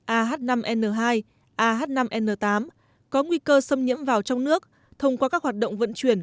ah năm n hai ah năm n tám có nguy cơ xâm nhiễm vào trong nước thông qua các hoạt động vận chuyển